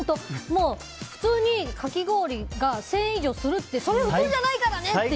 普通にかき氷が１０００円以上するってそれ、普通じゃないからねって。